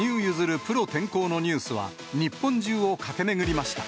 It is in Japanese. プロ転向のニュースは日本中を駆け巡りました。